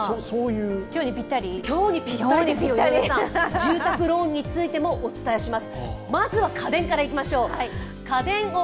住宅ローンについてもお伝えします。